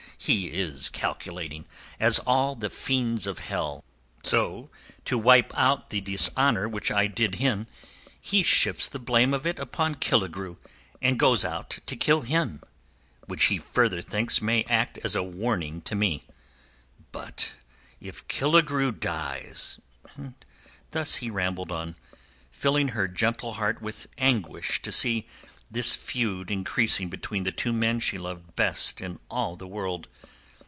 he is calculating as all the fiends of Hell. So, to wipe out the dishonour which I did him, he shifts the blame of it upon Killigrew and goes out to kill him, which he further thinks may act as a warning to me. But if Killigrew dies...." And thus he rambled on, filling her gentle heart with anguish to see this feud increasing between the two men she loved best in all the world.